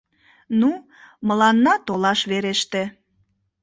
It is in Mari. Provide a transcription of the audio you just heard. Ну, мыланна толаш вереште...